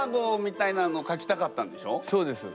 そうです。